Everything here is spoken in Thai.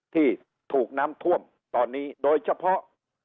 ที่ถูกน้ำท่วมตอนนี้โดยเฉพาะ